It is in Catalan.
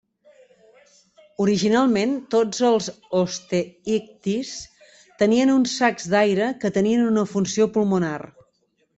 Originalment tots els osteïctis tenien uns sacs d'aire que tenien una funció pulmonar.